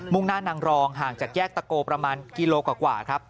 ่งหน้านางรองห่างจากแยกตะโกประมาณกิโลกว่าครับ